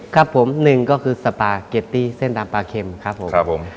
ครับผมหนึ่งก็คือสปาเกตตี้เส้นดำปลาเค็มครับผมครับผม